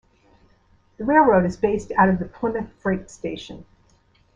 The railroad is based out of the Plymouth freight station.